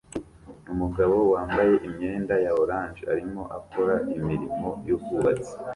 Umugabo wambaye imyenda ya orange arimo akora imirimo yubwubatsi